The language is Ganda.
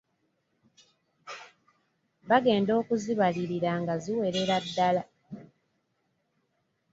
Bagenda okuzibalirira nga ziwerera ddala.